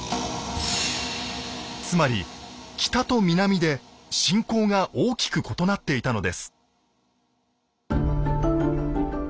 つまり北と南で信仰が大きく異なっていたのです。